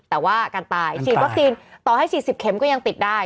แต่ว่าการตายฉีดวัคซีนต่อให้ฉีด๑๐เข็มก็ยังติดได้